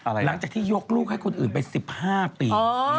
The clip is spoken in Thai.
หลังจากที่ยกลูกให้คนอื่นไป๑๕ปี